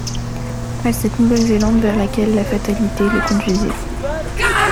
À cette Nouvelle-Zélande vers laquelle la fatalité le conduisait.